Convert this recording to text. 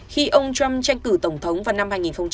khi ông trump tranh cử tổng thống vào năm hai nghìn một mươi